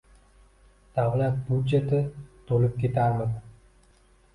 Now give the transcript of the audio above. davlat byudjeti to‘lib ketardimi?!